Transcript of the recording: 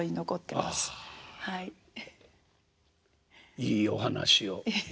いいお話を。